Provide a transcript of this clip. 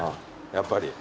やっぱり。